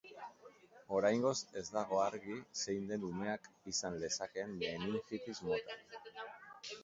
Oraingoz ez dago argi zein den umeak izan lezakeen meningitis mota.